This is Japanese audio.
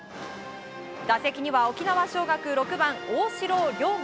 打席には沖縄尚学６番、大城稜雅。